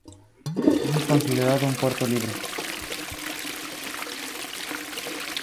Es considerado un puerto libre.